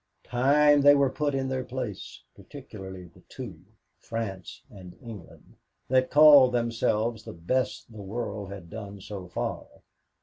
Time they were put in their place particularly the two, France and England, that called themselves the best the world has done so far.